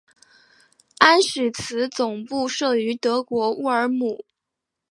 安许茨总部设于德国乌尔姆。